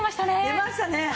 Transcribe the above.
出ましたね。